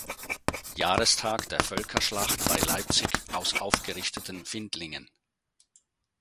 Jahrestag der Völkerschlacht bei Leipzig aus aufgerichteten Findlingen.